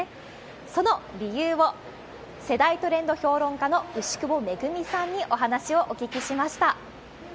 その理由を、世代・トレンド評論家の牛窪恵さんにお話をお聞きしました。